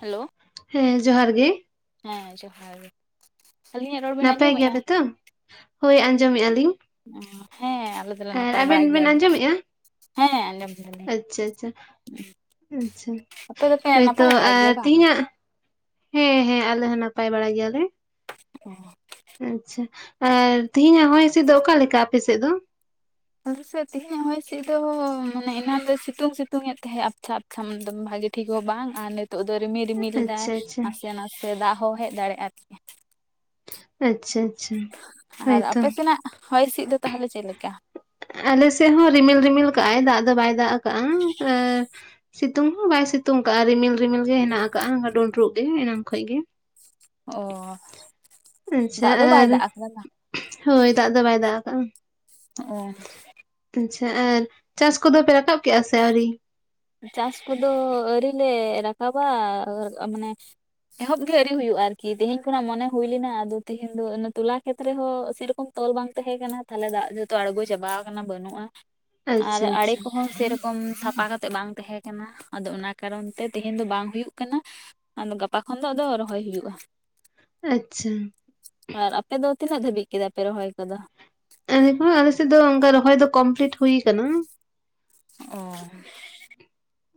Hello ᱦᱮᱸ ᱡᱚᱦᱟᱨ ᱜᱮ ᱦᱮᱸ ᱡᱚᱦᱟᱨ ᱜᱮ ᱟᱹᱞᱤᱧᱟᱜ ᱨᱚᱲ ᱵᱮᱱ ᱱᱟᱯᱟᱭ ᱜᱮᱭᱟ ᱟᱸᱡᱚᱢᱮᱫᱼᱟ ᱯᱮ ᱛᱚ ᱦᱳᱭ ᱟᱸᱡᱚᱢᱮᱫᱼᱟ ᱞᱤᱧ᱾ ᱦᱮᱸ ᱟᱞᱮ ᱫᱚᱞᱮ ᱟᱨ ᱱᱟᱯᱟᱭ ᱵᱟᱲᱟ ᱟᱵᱮᱱ ᱜᱮᱭᱟ ᱵᱮᱱ ᱟᱸᱡᱚᱢᱮᱫᱼᱟ᱾ ᱦᱮᱸ ᱟᱸᱡᱚᱢ ᱫᱟᱞᱤᱧ᱾ ᱟᱪᱪᱷᱟ ᱟᱯᱮ ᱫᱚᱯᱮ ᱱᱟᱯᱟᱭ ᱦᱳᱭᱛᱚ ᱵᱟᱲᱟᱭ ᱜᱮᱭᱟ ᱟᱨ ᱵᱟᱝ ᱛᱤᱦᱤᱧᱟᱜ ᱦᱮᱸ ᱦᱮᱸ ᱟᱞᱮ ᱦᱚᱸ ᱱᱟᱯᱟᱭ ᱵᱟᱲᱟ ᱜᱮᱭᱟᱞᱮ ᱦᱮᱸ ᱟᱪᱪᱷᱟ ᱟᱨ ᱛᱤᱦᱤᱧᱟᱜ ᱦᱚᱭ ᱦᱤᱥᱤᱫ ᱫᱚ ᱚᱠᱟᱞᱮᱠᱟ ᱟᱯᱮᱥᱮᱫ ᱫᱚ? ᱟᱞᱮ ᱥᱮᱫ ᱛᱮᱦᱮᱧᱟᱜ ᱦᱚᱭ ᱦᱤᱸᱥᱤᱫ ᱫᱚ ᱢᱟᱱᱮ ᱮᱱᱟᱝ ᱫᱚ ᱥᱤᱛᱩᱝ ᱥᱤᱛᱩᱝ ᱮᱫ ᱛᱟᱦᱮᱸᱫ ᱟᱯᱪᱷᱟ ᱟᱯ ᱪᱷᱟ ᱵᱷᱟᱹᱜᱤ ᱴᱷᱤᱠ ᱦᱚᱸ ᱵᱟᱝ ᱟᱨ ᱱᱤᱛᱚᱜ ᱫᱚ ᱨᱤᱢᱤᱞ ᱨᱤᱢᱤᱞ ᱮᱫᱟᱭ ᱟᱪᱪᱷᱟ ᱟᱪᱪᱷᱟ ᱱᱟᱥᱮ ᱱᱟᱥᱮ ᱫᱟᱜ ᱦᱚᱸ ᱦᱮᱡ ᱫᱟᱲᱮᱭᱟᱜᱼᱟ ᱟᱨᱠᱤ ᱟᱪᱪᱷᱟ ᱟᱪᱪᱷᱟ ᱟᱨ ᱦᱳᱭᱛᱚ ᱟᱯᱮ ᱥᱮᱱᱟᱜ ᱦᱚᱭ ᱦᱤᱸᱥᱤᱫ ᱫᱚ ᱛᱟᱦᱚᱞᱮ ᱪᱮᱫ ᱞᱮᱠᱟ? ᱟᱞᱮᱥᱮᱫ ᱦᱚᱸ ᱨᱤᱢᱤᱞ ᱨᱤᱢᱤᱞ ᱠᱟᱜ ᱟᱭ ᱫᱟᱜ ᱫᱚ ᱵᱟᱭ ᱫᱟᱜ ᱟᱠᱟᱫᱼᱟ ᱟᱨ ᱥᱤᱛᱩᱝ ᱦᱚᱸ ᱵᱟᱭ ᱥᱤᱛᱩᱝ ᱟᱠᱟᱜᱼᱟ ᱨᱤᱢᱤᱞ ᱨᱤᱢᱤᱞ ᱜᱮ ᱦᱮᱱᱟᱜ ᱟᱠᱟᱫᱼᱟ ᱰᱩᱸᱰᱨᱩᱜ ᱜᱮ ᱮᱱᱟᱝ ᱠᱷᱚᱡ ᱜᱮ ᱚ ᱟᱪᱪᱷᱟ ᱫᱟᱜ ᱫᱚ ᱵᱟᱭ ᱟᱨ ᱫᱟᱜ ᱟᱠᱟᱫᱟ ᱵᱟ ᱦᱳᱭ ᱫᱟᱜ ᱫᱚ ᱵᱟᱭ ᱫᱟᱜ ᱟᱠᱟᱫᱟ᱾ ᱚ ᱟᱪᱪᱷᱟ ᱟᱨ ᱪᱟᱥ ᱠᱚᱫᱚ ᱯᱮ ᱨᱟᱠᱟᱵ ᱠᱮᱜᱼᱟ ᱥᱮ ᱟᱹᱣᱨᱤ ᱪᱟᱥ ᱠᱚᱫᱚ ᱟᱹᱣᱨᱤ ᱞᱮ ᱨᱟᱠᱟᱵᱟ ᱟᱨ ᱢᱟᱱᱮ ᱮᱦᱚᱵ ᱜᱮ ᱟᱹᱣᱨᱤ ᱦᱩᱭᱩᱜᱼᱟ ᱟᱨᱠᱤ ᱛᱮᱦᱮᱧ ᱠᱷᱚᱱᱟᱜ ᱢᱚᱱᱮ ᱦᱩᱭ ᱞᱮᱱᱟ ᱟᱫᱚ ᱛᱮᱦᱮᱧ ᱫᱚ ᱛᱚᱞᱟ ᱠᱷᱮᱛ ᱨᱮᱦᱚᱸ ᱥᱮᱨᱚᱠᱚᱢ ᱛᱚᱞ ᱵᱟᱝ ᱛᱟᱦᱮᱸ ᱠᱟᱱᱟ ᱛᱟᱦᱚᱞᱮ ᱫᱟᱜ ᱡᱚᱛᱚ ᱟᱬᱜᱚ ᱪᱟᱵᱟ ᱟᱠᱟᱱᱟ ᱵᱟᱹᱱᱩᱜᱼᱟ᱾ ᱟᱨ ᱟᱪᱪᱷᱟ ᱟᱲᱮ ᱟᱪᱪᱷᱟ ᱠᱚᱦᱚᱸ ᱥᱮᱨᱚᱠᱚᱢ ᱥᱟᱯᱷᱟ ᱠᱟ ᱛᱮᱫ ᱵᱟᱝ ᱛᱟᱦᱮᱸ ᱠᱟᱱᱟ ᱟᱫᱚ ᱚᱱᱟ ᱠᱟᱨᱚᱱ ᱛᱮ ᱛᱮᱦᱮᱧ ᱫᱚ ᱵᱟᱝ ᱦᱩᱭᱩᱜ ᱠᱟᱱᱟ ᱟᱫᱚ ᱜᱟᱯᱟ ᱠᱷᱚᱱ ᱫᱚ ᱟᱫᱚ ᱨᱚᱦᱚᱭ ᱦᱩᱭᱩᱜᱼᱟ ᱟᱪᱪᱷᱟ ᱟᱨ ᱟᱯᱮ ᱫᱚ ᱛᱤᱱᱟᱹᱜ ᱫᱷᱟᱹᱵᱤᱡ ᱠᱮᱫᱟ ᱯᱮ ᱨᱚᱦᱚᱭ ᱠᱚᱫᱚ ᱟᱞᱮ ᱦᱚᱸ ᱟᱞᱮᱥᱮᱫ ᱫᱚ ᱚᱱᱠᱟ ᱨᱚᱦᱚᱭ ᱫᱚ ᱠᱚᱢᱯᱞᱤᱴ ᱦᱩᱭ ᱠᱟᱱᱟ ᱚ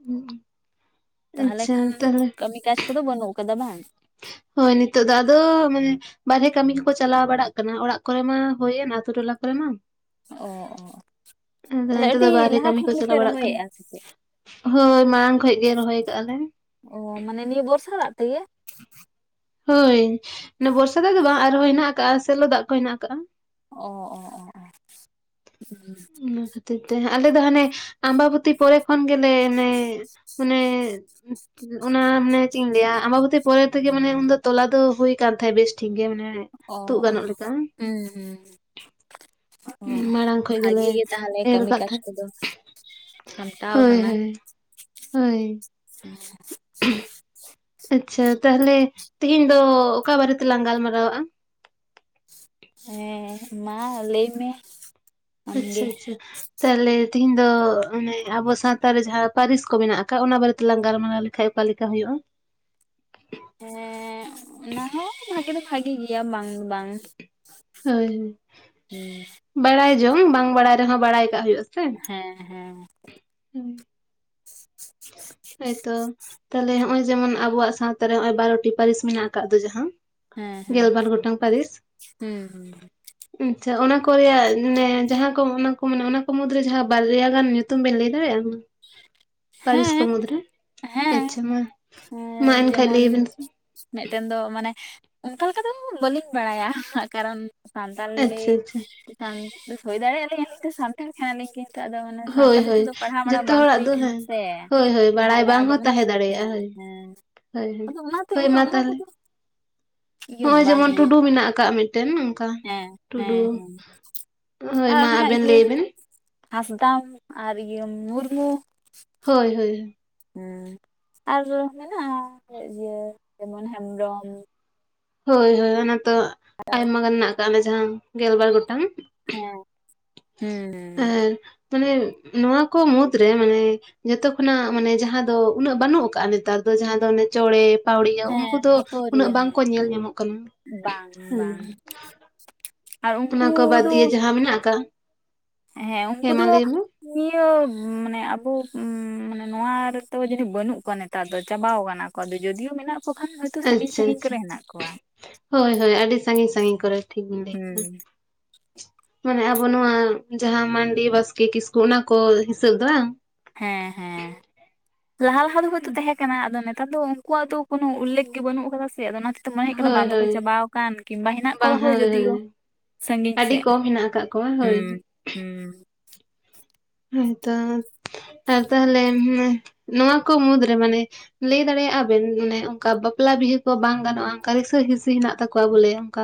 ᱦᱩ ᱛᱟᱦᱚᱞᱮ ᱠᱷᱟᱱ ᱠᱟᱹᱢᱤ ᱠᱟᱡᱽ ᱠᱚᱫᱚ ᱵᱟᱹᱱᱩᱜ ᱟᱠᱟᱫᱟ ᱵᱟᱝ ᱦᱳᱭ ᱱᱤᱛᱚᱜ ᱫᱚ ᱟᱫᱚ ᱢᱟᱱᱮ ᱵᱟᱨᱦᱮ ᱠᱟᱹᱢᱤ ᱠᱚᱠᱚ ᱪᱟᱞᱟᱣ ᱵᱟᱲᱟᱜ ᱠᱟᱱᱟ ᱚᱲᱟᱜ ᱠᱚᱨᱮ ᱢᱟ ᱦᱩᱭᱮᱱ ᱟᱛᱳ ᱴᱚᱞᱟ ᱠᱚᱨᱮ ᱢᱟ ᱚ ᱚ ᱚ ᱟᱫᱚ ᱛᱟᱦᱚᱞᱮ ᱱᱤᱛᱚᱜ ᱫᱚ ᱟᱹᱰᱤ ᱵᱟᱨᱦᱮ ᱞᱟᱦᱟ ᱠᱟᱹᱢᱤ ᱠᱚ ᱠᱷᱚᱱ ᱜᱮᱯᱮ ᱪᱟᱞᱟᱣ ᱵᱟᱲᱟᱜ ᱠᱟᱱᱟ ᱨᱚᱦᱚᱭᱮᱫᱼᱟ ᱥᱮ ᱪᱮᱫ ᱦᱳᱭ ᱢᱟᱲᱟᱝ ᱠᱷᱚᱡ ᱜᱮ ᱨᱚᱦᱚᱭ ᱠᱟᱜᱼᱟ ᱞᱮ ᱚ ᱢᱟᱱᱮ ᱱᱤᱭᱟᱹ ᱵᱚᱨᱥᱟ ᱫᱟᱜ ᱛᱮᱜᱮ ᱦᱳᱭ ᱱᱚ ᱵᱚᱨᱥᱟ ᱫᱟᱜ ᱫᱚ ᱵᱟᱝ ᱟᱨᱦᱚᱸ ᱦᱮᱱᱟᱜ ᱟᱠᱟᱜ-ᱟ ᱥᱮᱞᱚ ᱫᱟᱜ ᱠᱚ ᱦᱮᱱᱟᱜ ᱟᱠᱟᱜᱼᱟ ᱚ ᱚ ᱚ ᱚ ᱚᱱᱟ ᱠᱷᱟᱹᱛᱤᱨ ᱛᱮ ᱟᱞᱮ ᱫᱚ ᱦᱟᱱᱮ ᱟᱢᱵᱟᱵᱚᱛᱤ ᱯᱚᱨᱮ ᱠᱷᱚᱱ ᱜᱮᱞᱮ ᱚᱱᱮ ᱚᱱᱮ ᱚᱱᱟ ᱢᱟᱱᱮ ᱪᱮᱫ ᱤᱧ ᱞᱟᱹᱭᱟ ᱟᱢᱵᱟᱵᱚᱛᱤ ᱯᱚᱨᱮ ᱛᱮᱜᱮ ᱢᱟᱱᱮ ᱩᱱ ᱫᱚ ᱛᱚᱞᱟ ᱫᱚ ᱦᱩᱭ ᱠᱟᱱ ᱛᱟᱦᱮᱫ ᱵᱮᱥ ᱴᱷᱤᱠ ᱜᱮ ᱢᱟᱱᱮ ᱚ ᱛᱩᱫ ᱚ ᱜᱟᱱᱚᱜ ᱞᱮᱠᱟ ᱦᱩᱸ ᱦᱩᱸ ᱚ ᱢᱟᱲᱟᱝ ᱠᱷᱚᱡ ᱜᱮᱞᱮ ᱵᱷᱟᱜᱮ ᱜᱮ ᱛᱟᱦᱚᱞᱮ ᱮᱨ ᱠᱟᱹᱢᱤ ᱟᱠᱟᱫ ᱠᱟᱡᱽ ᱛᱟᱦᱮᱸᱫ ᱠᱚᱫᱚ ᱥᱟᱢᱴᱟᱣ ᱦᱳᱭ ᱦᱳᱭ ᱦᱩ ᱚᱸ [unintelligible] ᱟᱪᱪᱷᱟ ᱛᱟᱦᱚᱞᱮ ᱛᱮᱦᱮᱧ ᱫᱚ ᱚᱠᱟ ᱵᱟᱨᱮ ᱛᱮᱞᱟᱝ ᱜᱟᱞᱢᱟᱨᱟᱣᱟᱜ-ᱟ ᱦᱮᱸ ᱢᱟ ᱞᱟᱹᱭ ᱢᱮ ᱟᱪᱪᱷᱟ ᱟᱢᱜᱮ ᱟᱪᱪᱷᱟ ᱛᱟᱦᱚᱞᱮ ᱛᱤᱦᱤᱧ ᱫᱚ ᱚᱱᱮ ᱟᱵᱚ ᱥᱟᱶᱛᱟ ᱨᱮ ᱡᱟᱦᱟᱸ ᱯᱟᱹᱨᱤᱥ ᱠᱚ ᱢᱮᱱᱟᱜ ᱟᱠᱟᱫ ᱚᱱᱟ ᱵᱟᱨᱮ ᱛᱮ ᱞᱟᱝ ᱜᱟᱞᱢᱟᱨᱟᱣ ᱞᱮᱠᱷᱟᱡ ᱚᱠᱟ ᱞᱮᱠᱟ ᱦᱩᱭᱩᱜ-ᱟ ᱦᱮᱸ ᱚᱱᱟ ᱦᱚᱸ ᱵᱷᱟᱜᱮ ᱫᱚ ᱵᱷᱟᱜᱮ ᱜᱮᱭᱟ ᱵᱟᱝ ᱫᱚ ᱵᱟᱝ ᱦᱳᱭ ᱵᱟᱲᱟᱭ ᱡᱚᱝ ᱵᱟᱝ ᱵᱟᱲᱟᱭ ᱨᱮᱦᱚᱸ ᱵᱟᱲᱟᱭ ᱠᱟᱜ ᱦᱩᱭᱩᱜ ᱦᱮᱸ ᱦᱮᱸ ᱦᱩ ᱦᱚᱭ ᱛᱚ ᱛᱟᱦᱚᱞᱮ ᱦᱚᱜ-ᱚᱭ ᱡᱮᱢᱚᱱ ᱟᱵᱚᱣᱟᱜ ᱥᱟᱶᱛᱟ ᱨᱮ ᱦᱚᱜ-ᱚᱭ ᱵᱟᱨᱚᱴᱤ ᱯᱟᱹᱨᱤᱥ ᱢᱮᱱᱟᱜ ᱠᱟᱫ ᱫᱚ ᱡᱟᱦᱟᱸ ᱦᱮᱸ ᱜᱮᱞᱵᱟᱨ ᱜᱚᱴᱟᱝ ᱯᱟᱹᱨᱤᱥ ᱦᱮᱸ ᱦᱩᱸ ᱦᱩᱸ ᱟᱪᱪᱷᱟ ᱚᱱᱟ ᱠᱚ ᱨᱮᱭᱟᱜ ᱢᱟᱱᱮ ᱡᱟᱦᱟᱸ ᱠᱚ ᱚᱱᱟ ᱠᱚ ᱢᱮᱱᱟᱜ-ᱟ ᱚᱱᱟ ᱠᱚ ᱢᱩᱫᱽ ᱨᱮ ᱡᱟᱦᱟᱸ ᱵᱟᱨᱭᱟ ᱜᱟᱱ ᱧᱩᱛᱩᱢ ᱵᱤᱱ ᱞᱟᱹᱭ ᱫᱟᱲᱮᱭᱟᱜ-ᱟ ᱯᱟᱹᱨᱤᱥ ᱠᱚ ᱦᱮᱸ ᱢᱩᱫᱽ ᱨᱮ ᱦᱮᱸ ᱟᱪᱪᱷᱟ ᱢᱟ ᱢᱟ ᱮᱱᱠᱷᱟᱡ ᱡᱮᱢᱚᱱ ᱞᱟᱹᱭ ᱵᱤᱱ ᱥᱮ ᱢᱤᱫᱴᱮᱱ ᱫᱚ ᱢᱟᱱᱮ ᱚᱱᱠᱟ ᱞᱮᱠᱟ ᱫᱚ ᱵᱟᱹᱞᱤᱧ ᱵᱟᱲᱟᱭᱟ ᱠᱟᱨᱚᱱ ᱥᱟᱱᱛᱟᱞᱤ ᱟᱪᱪᱷᱟ ᱟᱪᱪᱷᱟ ᱥᱟᱱ ᱦᱩᱭ ᱫᱟᱲᱮᱭᱟᱜ-ᱟ ᱞᱤᱧ ᱟᱹᱞᱤᱧ ᱫᱚ ᱥᱟᱱᱛᱟᱲ ᱠᱟᱱᱟ ᱞᱤᱧ ᱠᱤ ᱛᱚ ᱟᱫᱚ ᱢᱟᱱᱮ ᱦᱳᱭ ᱥᱟᱶᱛᱟᱞᱤ ᱛᱮ ᱦᱳᱭ ᱫᱚ ᱯᱟᱲᱦᱟᱣ ᱢᱟᱲᱦᱟᱣ ᱡᱚᱛᱚ ᱵᱟᱝ ᱦᱚᱲᱟᱜ ᱦᱩᱭ ᱫᱚ ᱠᱟᱱᱟ ᱦᱮᱸ ᱥᱮ ᱦᱳᱭ ᱦᱳᱭ ᱵᱟᱲᱟᱭ ᱛᱟᱦᱚᱞᱮ ᱵᱟᱝ ᱟᱫᱚ ᱦᱚᱸ ᱚᱱᱟ ᱛᱟᱦᱮᱸ ᱦᱮᱸ ᱫᱟᱲᱮᱭᱟᱜ-ᱟ ᱦᱳᱭ ᱦᱮᱸ ᱦᱳᱭ ᱟᱫᱚ ᱚᱱᱟᱛᱮ ᱦᱳᱭ ᱩᱱᱟᱹᱜ ᱢᱟ ᱚᱱᱟ ᱛᱟᱦᱞᱮ ᱠᱚᱫᱚ ᱤᱭᱟᱹ ᱦᱚᱜ-ᱚᱭ ᱵᱟᱝ ᱡᱮᱢᱚᱱ ᱤᱭᱟᱹ ᱴᱩᱰᱩ ᱢᱮᱱᱟᱜ ᱟᱠᱟᱜ-ᱟ ᱢᱤᱫᱴᱮᱱ ᱚᱝᱠᱟ ᱦᱮᱸ ᱴᱩᱰᱩ ᱦᱮᱸ ᱦᱮᱸ ᱦᱳᱭ ᱢᱟ ᱟᱵᱮᱱ ᱞᱟᱹᱭ ᱵᱤᱱ ᱦᱟᱸᱥᱫᱟ ᱟᱨ ᱤᱭᱟᱹ ᱢᱩᱨᱢᱩ ᱦᱳᱭ ᱦᱳᱭ ᱦᱳᱭ ᱦᱮᱸ ᱟᱨ ᱢᱮᱱᱟᱜ-ᱟ ᱤᱭᱟᱹ ᱡᱮᱢᱚᱱ ᱦᱮᱢᱵᱨᱚᱢ ᱦᱳᱭ ᱦᱳᱭ ᱚᱱᱟ ᱛᱚ ᱟᱭᱢᱟ ᱜᱟᱱ ᱢᱮᱱᱟᱜ ᱟᱠᱟᱜ-ᱟ ᱡᱟᱦᱟᱸ ᱜᱮᱞᱵᱟᱨ ᱜᱚᱴᱟᱝ ᱦᱮᱸ ᱦᱩᱸ ᱦᱮᱸ ᱢᱟᱱᱮ ᱱᱚᱣᱟ ᱠᱚ ᱢᱩᱫᱽ ᱨᱮ ᱢᱟᱱᱮ ᱡᱚᱛᱚ ᱠᱷᱚᱱᱟᱜ ᱢᱟᱱᱮ ᱡᱟᱦᱟᱸ ᱫᱚ ᱩᱱᱟᱹᱜ ᱵᱟᱹᱱᱩᱜ ᱟᱠᱟᱜ-ᱟ ᱱᱮᱛᱟᱨ ᱫᱚ ᱡᱟᱦᱟᱸ ᱫᱚ ᱚᱱᱮ ᱪᱚᱬᱮ ᱯᱟᱣᱲᱤᱭᱟᱹ ᱩᱱᱠᱩ ᱦᱮᱸ ᱫᱚ ᱩᱱᱟᱹᱜ ᱟᱠᱚᱨᱤᱭᱟᱹ ᱵᱟᱝ ᱦᱮᱸ ᱠᱚ ᱧᱮᱞ ᱧᱟᱢᱚᱜ ᱠᱟᱱᱟ ᱵᱟᱝ ᱦᱮᱸ᱾ ᱵᱟᱝ ᱟᱨ ᱩᱱᱠᱩ ᱚᱱᱟ ᱠᱚ ᱵᱟᱫ ᱫᱚ ᱫᱤᱭᱮ ᱡᱟᱦᱟᱸ ᱢᱮᱱᱟᱜ ᱠᱟᱜᱼᱟ? ᱦᱮᱸ ᱩᱱᱠᱩ ᱫᱚ ᱱᱤᱭᱟᱹ ᱢᱟᱱᱮ ᱟᱵᱚ ᱢᱟᱱᱮ ᱱᱚᱣᱟ ᱨᱮᱫᱚ ᱡᱟᱹᱱᱤᱡ ᱵᱟᱹᱱᱩᱜ ᱠᱚᱣᱟ ᱱᱮᱛᱟᱨ ᱫᱚ ᱪᱟᱵᱟᱣ ᱠᱟᱱᱟ ᱠᱚ ᱡᱚᱫᱤᱭᱳ ᱢᱮᱱᱟᱜ ᱠᱚ ᱠᱷᱟᱱ ᱦᱚᱭᱛᱚ ᱥᱟᱺᱜᱤᱧ ᱟᱪᱪᱷᱟ ᱥᱟᱺᱜᱤᱧ ᱟᱪᱪᱷᱟ ᱠᱚᱨᱮ ᱦᱮᱸᱱᱟᱜ ᱠᱚᱣᱟ᱾ ᱦᱳᱭ ᱦᱳᱭ ᱟᱹᱰᱤ ᱥᱟᱹᱜᱤᱧ ᱥᱟᱹᱜᱤᱧ ᱠᱚᱨᱮ ᱴᱷᱤᱠ ᱵᱤᱱ ᱞᱟᱹᱭ ᱦᱩᱸ ᱠᱮᱫᱟ᱾ ᱢᱟᱱᱮ ᱟᱵᱚ ᱱᱚᱣᱟ ᱡᱟᱦᱟᱸ ᱢᱟᱱᱰᱤ ᱵᱟᱥᱠᱮ ᱠᱤᱥᱠᱩ ᱚᱱᱟ ᱠᱚ ᱦᱤᱥᱟᱹᱵ ᱫᱚ ᱵᱟᱝ? ᱦᱮᱸ ᱦᱮᱸ ᱞᱟᱦᱟ ᱞᱟᱦᱟ ᱫᱚ ᱦᱚᱭᱛᱚ ᱛᱟᱦᱮᱸ ᱠᱟᱱᱟ ᱟᱫᱚ ᱱᱮᱛᱟᱨ ᱫᱚ ᱩᱝ ᱩᱱᱠᱩᱣᱟᱜ ᱫᱚ ᱠᱚᱱᱚ ᱩᱞᱮᱠᱷ ᱜᱮ ᱵᱟᱹᱱᱩᱜ ᱟᱠᱟᱫᱟ ᱥᱮ ᱚᱱᱟ ᱛᱮ ᱢᱚᱱᱮ ᱦᱩᱭᱩᱜ ᱠᱟᱱᱟ ᱦᱳᱭ ᱵᱟᱝ ᱫᱚᱠᱚ ᱦᱳᱭ ᱪᱟᱵᱟᱣᱟᱠᱟᱱ ᱠᱤᱝᱵᱟ ᱦᱮᱱᱟᱜ ᱠᱚ ᱵᱟᱝ ᱨᱮᱦᱚᱸ ᱦᱳᱭ ᱦᱳᱭ ᱡᱚᱫᱤᱭᱳ ᱥᱟᱺᱜᱤᱧ ᱟᱹᱰᱤ ᱥᱮᱫ ᱠᱚᱢ ᱦᱮᱱᱟᱜ ᱟᱠᱟᱜ ᱠᱚᱣᱟ ᱦᱳᱭ ᱦᱩᱸ ᱦᱩᱸ᱾ ᱦᱚᱭ ᱛᱚ ᱛᱟᱦᱚᱞᱮ ᱱᱚᱣᱟ ᱠᱚ ᱢᱩᱫᱽ ᱨᱮ ᱢᱟᱱᱮ ᱞᱟᱹᱭ ᱫᱟᱲᱮᱭᱟᱜ-ᱟ ᱵᱤᱱ ᱢᱟᱱᱮ ᱚᱠᱟ ᱵᱟᱯᱞᱟ ᱵᱤᱦᱟᱹ ᱠᱚ ᱵᱟᱝ ᱜᱟᱱᱚᱜ-ᱟ ᱚᱱᱠᱟ ᱨᱤᱥᱟᱹ ᱦᱤᱸᱥᱤ ᱦᱮᱱᱟᱜ ᱛᱟᱠᱚᱣᱟ ᱵᱚᱞᱮ ᱚᱱᱠᱟ᱾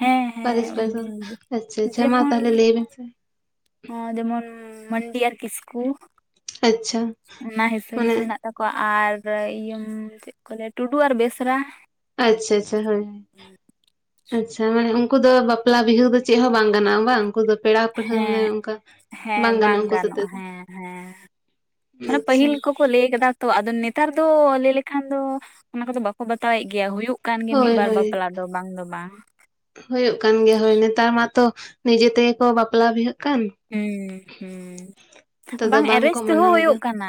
ᱦᱮᱸ ᱦᱮᱸ ᱯᱟᱨᱤᱥ ᱯᱟᱨᱤᱥ ᱚᱱᱟᱜᱮ᱾ ᱟᱪᱪᱷᱟ ᱟᱪᱪᱷᱟ ᱢᱟ ᱛᱟᱦᱚᱞᱮ ᱞᱟᱹᱭ ᱵᱤᱱ ᱥᱮ᱾ ᱦᱟᱸ ᱡᱮᱢᱚᱱ ᱢᱟᱱᱰᱤ ᱟᱨ ᱠᱤᱥᱠᱩ ᱟᱪᱪᱷᱟ ᱚᱱᱟ ᱦᱤᱥᱟᱹ ᱦᱤᱥᱤ ᱢᱟᱱᱮ ᱦᱮᱱᱟᱜ ᱛᱟᱠᱚᱣᱟ ᱟᱨ ᱤᱭᱟᱹ ᱪᱮᱫ ᱠᱚ ᱞᱟᱹᱭᱟ ᱴᱩᱰᱩ ᱟᱨ ᱵᱮᱥᱨᱟ ᱟᱪᱪᱷᱟ ᱟᱪᱪᱷᱟ ᱦᱳᱭ ᱦᱳᱭ᱾ ᱟᱪᱪᱷᱟ ᱢᱟᱱᱮ ᱩᱱᱠᱩ ᱫᱚ ᱵᱟᱯᱞᱟ ᱵᱤᱦᱟᱹ ᱠᱚ ᱫᱚ ᱪᱮᱫ ᱦᱚᱸ ᱵᱟᱝ ᱜᱟᱱᱚᱜ-ᱟ ᱵᱟᱝ ᱩᱱᱠᱩ ᱫᱚ ᱯᱮᱲᱟ ᱯᱟᱹᱲᱦᱟᱹ ᱢᱟᱱᱮ ᱦᱮᱸ ᱚᱱᱠᱟ ᱦᱮᱸ ᱵᱟᱝ ᱜᱟᱱᱚᱜᱼᱟ ᱩᱱᱠᱩ ᱥᱟᱛᱮᱜ ᱜᱟᱱᱚᱜ-ᱟ ᱦᱮᱸ ᱦᱮᱸ ᱫᱚ ᱢᱟᱱᱮ ᱟᱪᱪᱷᱟ ᱯᱟᱹᱦᱤᱞ ᱠᱚ ᱠᱚ ᱞᱟᱹᱭ ᱠᱟᱫᱟ ᱛᱚ ᱟᱫᱚ ᱱᱮᱛᱟᱨ ᱫᱚ ᱞᱟᱹᱭ ᱞᱮᱠᱷᱟᱱ ᱫᱚ ᱚᱱᱟ ᱠᱚᱫᱚ ᱵᱟᱠᱚ ᱵᱟᱛᱟᱣᱮᱫ ᱜᱮᱭᱟ ᱦᱩᱭᱩᱜ ᱠᱟᱱ ᱜᱮ ᱢᱤᱫ ᱦᱳᱭ ᱵᱟᱨ ᱦᱳᱭ ᱵᱟᱯᱞᱟ ᱫᱚ ᱵᱟᱝ ᱫᱚ ᱵᱟᱝ, ᱦᱳᱭᱳᱜ ᱠᱟᱱ ᱜᱮᱭᱟ ᱦᱳᱭ ᱱᱮᱛᱟᱨ ᱢᱟᱛᱚ ᱱᱤᱡᱮ ᱛᱮᱜᱮ ᱠᱚ ᱵᱟᱯᱞᱟ ᱵᱤᱦᱟᱹᱜ ᱠᱟᱱ, ᱦᱩᱸ ᱦᱩᱸ᱾ ᱱᱮᱛᱟᱨ ᱫᱚ ᱵᱟᱝ ᱮᱨᱮᱡ ᱵᱟᱝᱠᱚ ᱛᱮᱦᱚᱸ ᱢᱟᱱᱟᱣ ᱦᱩᱭᱩᱜ ᱮᱫᱟ ᱠᱟᱱᱟ